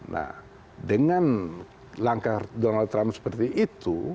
nah dengan langkah donald trump seperti itu